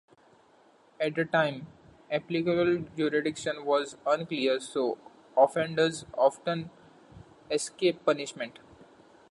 At the time, applicable jurisdiction was unclear, so offenders often escaped punishment.